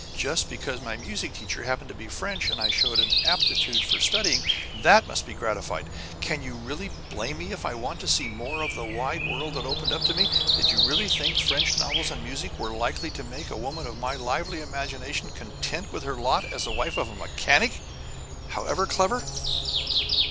Just because my music teacher happened to be French and I showed an aptitude for studying, that must be gratified. Can you really blame me if I want to see more of the wide world that opened up to me? Did you really think French novels and music were likely to make a woman of my lively imagination content with her lot as wife of a mechanic however clever?"